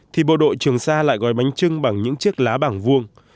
thì bộ đội trường sa lại gói bánh trưng bằng những chiếc lá bằng vuông